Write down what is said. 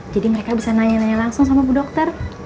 jadi mereka bisa nanya nanya langsung sama bu dokter